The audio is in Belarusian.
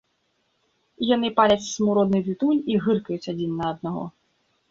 Яны паляць смуродны тытунь і гыркаюць адзін на аднаго.